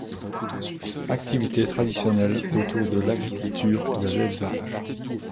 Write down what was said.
Activité traditionnelle autour de l’agriculture et l’élevage.